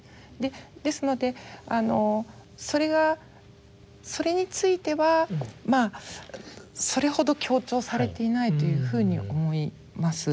ですのでそれがそれについてはそれほど強調されていないというふうに思います。